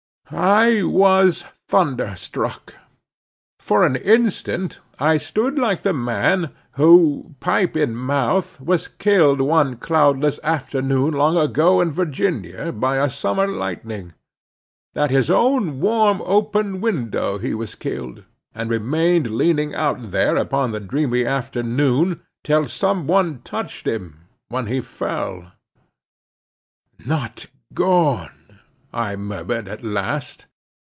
I was thunderstruck. For an instant I stood like the man who, pipe in mouth, was killed one cloudless afternoon long ago in Virginia, by a summer lightning; at his own warm open window he was killed, and remained leaning out there upon the dreamy afternoon, till some one touched him, when he fell. "Not gone!" I murmured at last.